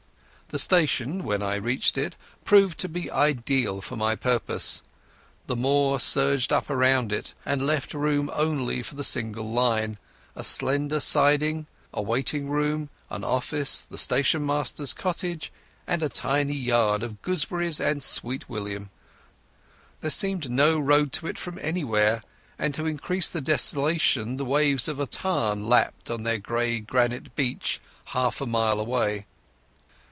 The station, when I reached it, proved to be ideal for my purpose. The moor surged up around it and left room only for the single line, the slender siding, a waiting room, an office, the station master's cottage, and a tiny yard of gooseberries and sweet william. There seemed no road to it from anywhere, and to increase the desolation the waves of a tarn lapped on their grey granite beach half a mile away.